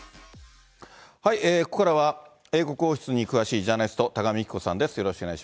ここからは英国王室に詳しいジャーナリスト、多賀幹子さんです。